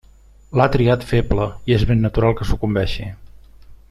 L'ha triat feble; i és ben natural que sucumbeixi.